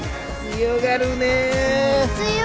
強がるね。